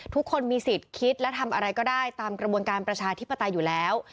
ทุกคนมีสิทธิ์คิดและทำอะไรก็ได้ตามกระบวนการประชาธิปไตยอยู่แล้ว